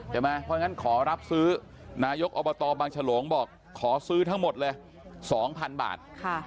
เพราะฉะนั้นขอรับซื้อนายกอบตบางฉลงบอกขอซื้อทั้งหมดเลย๒๐๐๐บาท